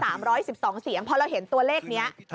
ไอ้๓๑๒เสียงพอเราเห็นตัวเลขนี้